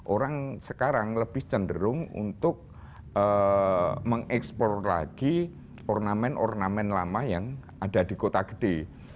orang sekarang lebih cenderung untuk mengeksplor lagi ornamen ornamen lama yang ada di kota gede